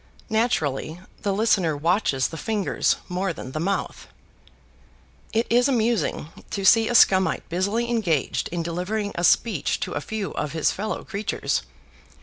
Naturally, the listener watches the fingers more than the mouth. It is amusing to see a Scumite busily engaged in delivering a speech to a few of his fellow creatures.